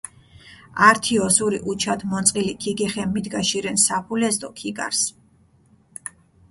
ართი ოსური უჩათ მონწყილი ქიგეხე მიდგაშირენ საფულეს დო ქიგარს.